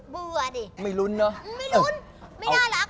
เบื่อดิไม่รุ้นเนาะเหมือนไม่น่าหลาก